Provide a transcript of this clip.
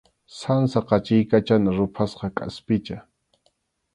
Sansa qachiykachana ruphasqa kʼaspicha.